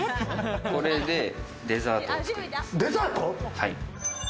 これでデザートを作ります。